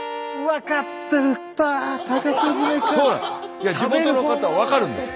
いや地元の方分かるんですよ。